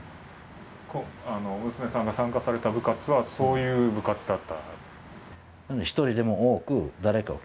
娘さんが参加された部活は、そういう部活だった？